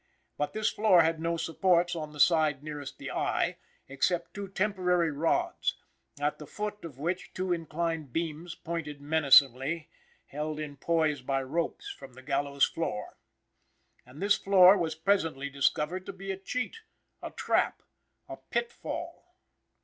But this floor had no supports on the side nearest the eye, except two temporary rods, at the foot of which two inclined beams pointed menacingly, held in poise by ropes from the gallows floor. And this floor was presently discovered to be a cheat, a trap, a pitfall.